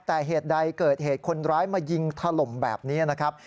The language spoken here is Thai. แต่เหตุใดเกิดเหตุคนร้ายมายิงถล่มแบบนี้นะครับ